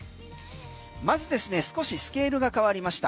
まずですね少しスケールが変わりました。